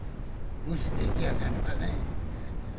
無視できやせんがね。